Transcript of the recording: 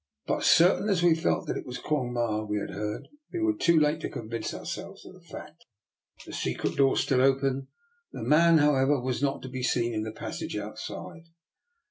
But certain as we felt that it was Quong Ma we had heard, we were too late to con vince ourselves of the fact. The secret door stood open; the man, however, was not to be seen in the passage outside.